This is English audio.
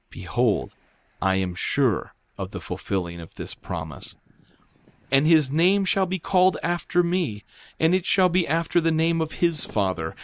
Behold, I am sure of the fulfilling of this promise; 3:15 And his name shall be called after me; and it shall be after the name of his father.